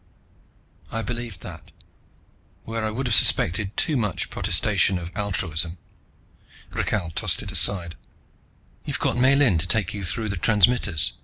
I believed that, where I would have suspected too much protestation of altruism. Rakhal tossed it aside. "You've got Miellyn to take you through the transmitters.